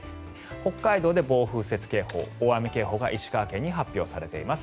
北海道で暴風雪警報大雨警報が石川県に発表されています。